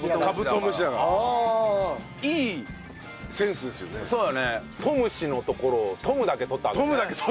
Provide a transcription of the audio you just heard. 「トムシ」のところを「トム」だけ取ったわけね。